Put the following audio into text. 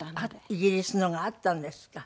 イギリスのがあったんですか。